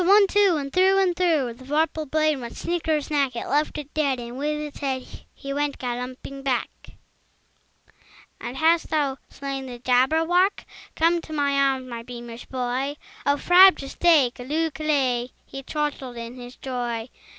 One, two! And through and through The vorpal blade went snicker snack! He left it dead, and with its head He went galumphing back. "And hast thou slain the Jabberwock? Come to my arms, my beamish boy! O frabjous day! Callooh! Callay!" He chortled in his joy.